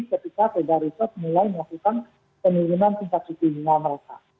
ketika tda riset mulai melakukan penurunan tingkat c lima mereka